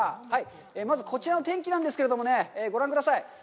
まず、こちらの天気なんですけれどもね、ご覧ください。